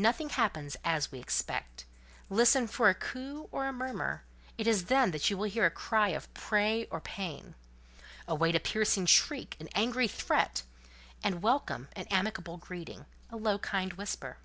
Nothing happens as we expect: listen for a coo or a murmur; it is then you will hear a cry of prey or pain. Await a piercing shriek, an angry threat, and welcome an amicable greeting, a low kind whisper.